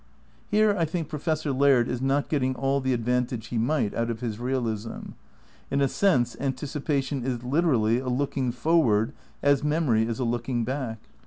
Here I think Professor Laird is not getting all the advantage he might out of his realism. In a sense anticipation is literally a looking forward as memory is a looking back.